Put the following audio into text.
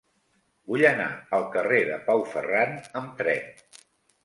Vull anar al carrer de Pau Ferran amb tren.